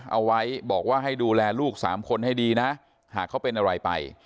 เอาไว้บอกว่าให้ดูแลลูกสามคนให้ดีนะหากเขาเป็นอะไรไป